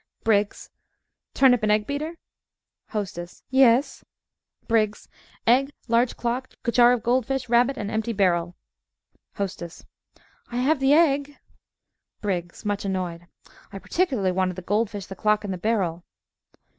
BRIGGS Turnip and egg beater HOSTESS Yes. BRIGGS Egg, large clock, jar of gold fish, rabbit and empty barrel. HOSTESS I have the egg. BRIGGS (much annoyed) I particularly wanted the gold fish, the clock and the barrel.